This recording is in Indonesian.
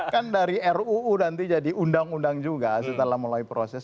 kan dari ruu nanti jadi undang undang juga setelah mulai proses